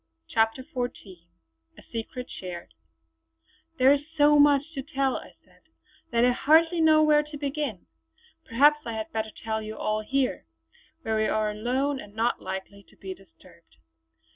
CHAPTER XIV A SECRET SHARED "There is so much to tell" I said "that I hardly know where to begin. Perhaps I had better tell you all here, where we are alone and not likely to be disturbed.